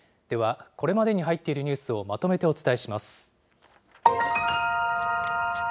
では、これまでに入っているニュースをまとめてお伝えします。